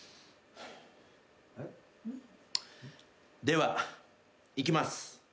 ではいきます。